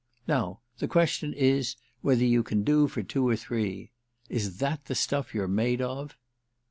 Now the question is whether you can do it for two or three. Is that the stuff you're made of?"